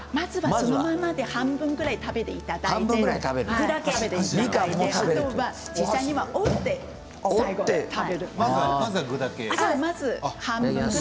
そのままで半分ぐらい食べていただいて実際には折って最後、食べます。